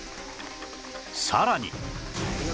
さらに